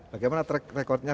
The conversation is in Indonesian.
bagaimana track recordnya